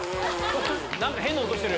・何か変な音してる。